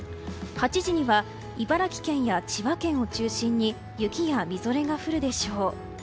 ８時には茨城県や千葉県を中心に雪やみぞれが降るでしょう。